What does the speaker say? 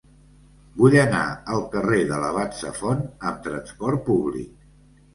Vull anar al carrer de l'Abat Safont amb trasport públic.